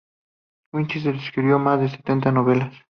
Whitney escribió más de setenta novelas.